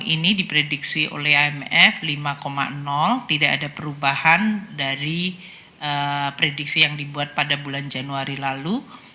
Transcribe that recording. ini diprediksi oleh imf lima tidak ada perubahan dari prediksi yang dibuat pada bulan januari lalu